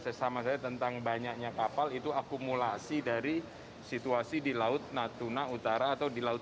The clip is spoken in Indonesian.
sesama saya tentang banyaknya kapal itu akumulasi dari situasi di laut natuna utara atau di laut